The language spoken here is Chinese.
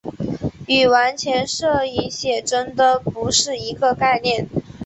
与完全摄影写真的不是一个概念。